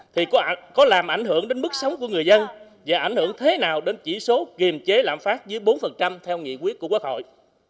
thì có làm ảnh hưởng đến mức sống của người dân và ảnh hưởng thế nào đến chỉ số kiềm chế lạm phát dưới bốn theo nghị quyết của quốc hội